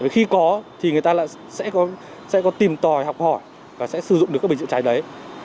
khi có thì người ta lại sẽ có tìm tòi học hỏi và sẽ sử dụng được các bình chữa cháy đấy